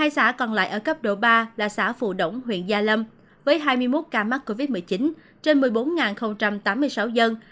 hai xã còn lại ở cấp độ ba là xã phù đổng huyện gia lâm với hai mươi một ca mắc covid một mươi chín trên một mươi bốn tám mươi sáu dân